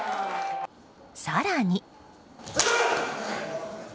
更に。